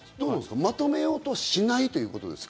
まとめようとしないということですか？